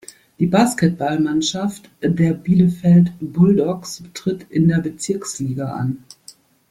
Die Basketballmannschaft der Bielefeld Bulldogs tritt in der Bezirksliga an.